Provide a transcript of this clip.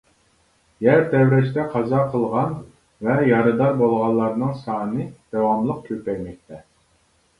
يەر تەۋرەشتە قازا قىلغان ۋە يارىدار بولغانلارنىڭ سانى داۋاملىق كۆپەيمەكتە.